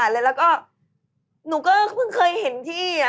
อ่าอ่า